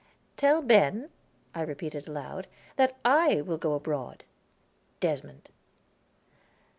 "'Tell Ben,'" I repeated aloud, "'that I will go abroad. Desmond.'"